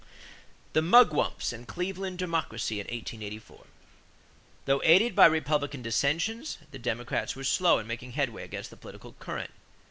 =The Mugwumps and Cleveland Democracy in 1884.= Though aided by Republican dissensions, the Democrats were slow in making headway against the political current.